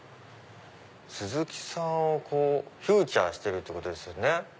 鈴木さんをフィーチャーしてるってことですよね。